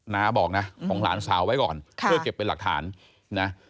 น้าบอกนะของหลานสาวไว้ก่อนเพื่อเก็บเป็นหลักฐานนะ